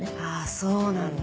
そうなんだ。